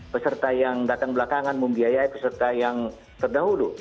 peserta yang datang belakangan membiayai peserta yang terdahulu